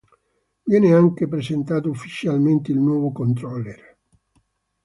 Viene anche presentato ufficialmente il nuovo controller.